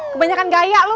kebanyakan gaya lo